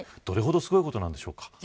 どれほどすごいことなんでしょうか。